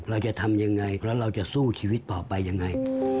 เราจะทำยังไงแล้วเราจะสู้ชีวิตต่อไปยังไง